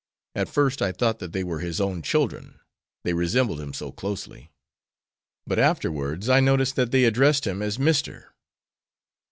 At first I thought that they were his own children, they resembled him so closely. But afterwards I noticed that they addressed him as 'Mister.'